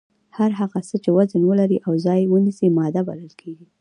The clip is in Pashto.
هر هغه څه چې وزن ولري او ځای ونیسي ماده بلل کیږي.